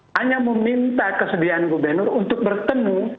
hanya meminta kesediaan gubernur untuk bertemu